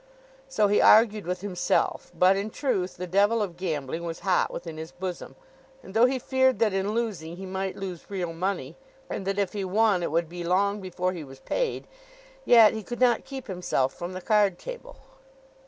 So he argued with himself; but in truth the devil of gambling was hot within his bosom; and though he feared that in losing he might lose real money, and that if he won it would be long before he was paid, yet he could not keep himself from the card table.